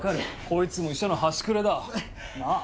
こいつも医者の端くれだ。なあ？